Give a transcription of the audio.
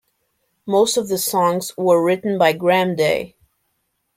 Most of the songs were written by Graham Day.